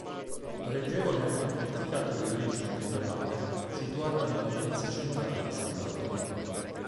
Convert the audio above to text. Pregevole anche il porticato di origine medioevale situato nella piazza centrale di San Bartolomeo.